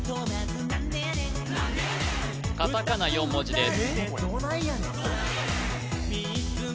カタカナ４文字です